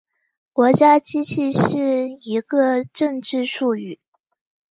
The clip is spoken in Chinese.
国家机器是一个政治术语。